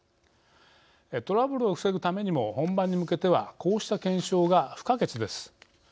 トラブルを防ぐためにも本番に向けてはこうした検証が不可欠です。